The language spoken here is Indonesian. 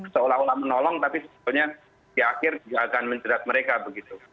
seolah olah menolong tapi sebetulnya di akhir juga akan menjerat mereka begitu